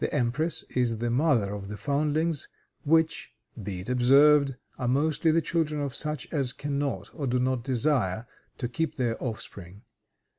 The empress is the mother of the foundlings, which, be it observed, are mostly the children of such as can not or do not desire to keep their offspring.